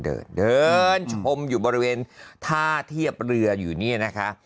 เดินเดินชมอยู่บริเวณท่าเทียบเรืออยู่เนี่ยนะคะ